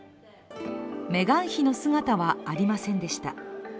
メガン妃の姿はありませんでした。